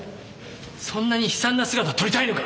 そんなに悲惨な姿を撮りたいのか！